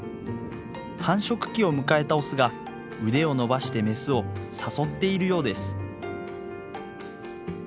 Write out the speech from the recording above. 繁殖期を迎えたオスが腕を伸ばしてメスを誘っているようです。